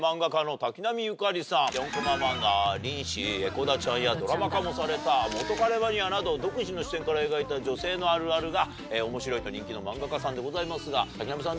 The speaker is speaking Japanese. ４コマ漫画『臨死‼江古田ちゃん』やドラマ化もされた『モトカレマニア』など独自の視点から描いた女性のあるあるが面白いと人気の漫画家さんでございますが。